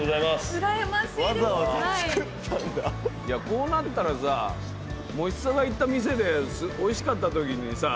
こうなったらさ『もしツア』が行った店でおいしかったときにさ